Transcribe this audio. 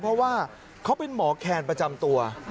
เพราะว่าเขาเป็นหมอแคนประจำตัว